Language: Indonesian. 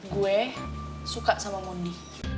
gue suka sama mundi